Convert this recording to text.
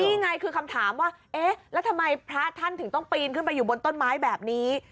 นี่ไงคือคำถามว่าเอ๊ะแล้วทำไมพระท่านถึงต้องปีนขึ้นไปอยู่บนต้นไม้แบบนี้